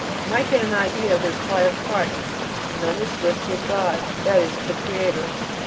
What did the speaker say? might get an idea from the reply of Christ: "None is good save God," that is, the Creator.